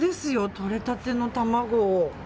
とれたての卵を。